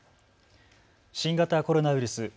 新型コロナウイルス。